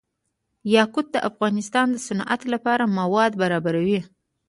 یاقوت د افغانستان د صنعت لپاره مواد برابروي.